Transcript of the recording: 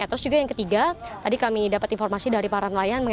terus juga yang ketiga tadi kami dapat informasi dari para nelayan